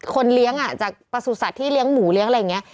คนเลี้ยงจากประสุทธิ์ที่เลี้ยงหมูเลี้ยงอะไรอย่างนี้